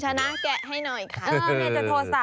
ชนะแกะให้หน่อยค่ะ